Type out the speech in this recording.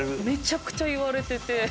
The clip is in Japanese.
めちゃくちゃ言われてて。